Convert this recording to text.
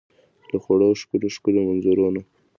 له خوړو او ښکلو ، ښکلو منظرو نه